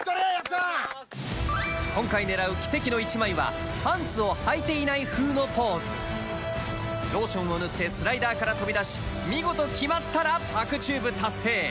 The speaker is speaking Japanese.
今回狙う奇跡の１枚はパンツをはいていない風のポーズローションを塗ってスライダーから飛び出し見事決まったらぱくＴｕｂｅ達成！